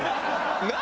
何？